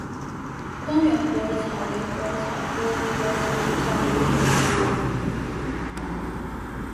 光缘虎耳草为虎耳草科虎耳草属下的一个种。